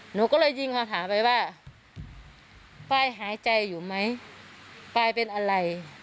หนูก็เลยยิงคำถามไปว่าปลายหายใจอยู่ไหมปลายเป็นอะไร